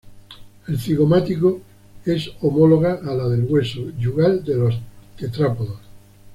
El cigomático es homóloga a la del hueso yugal de los tetrápodos.